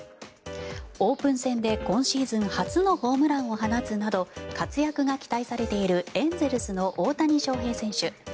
オープン戦で今シーズン初のホームランを放つなど活躍が期待されているエンゼルスの大谷翔平選手。